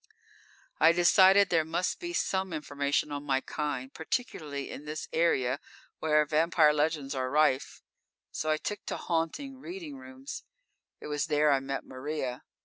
_ _I decided there must be some information on my kind, particularly in this area where vampire legends are rife, so I took to haunting reading rooms. It was there I met Maria.